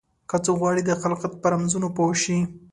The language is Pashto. که څوک غواړي د خلقت په رمزونو پوه شي.